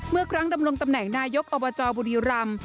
เมื่อครั้งดำรงตำแหน่งนายกอบจบุรีรำ